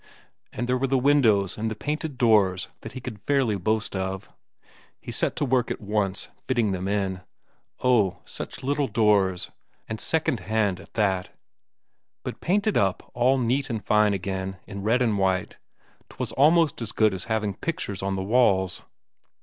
And there were the windows and the painted doors that he could fairly boast of; he set to work at once fitting them in. Oh, such little doors, and secondhand at that, but painted up all neat and fine again in red and white; 'twas almost as good as having pictures on the walls.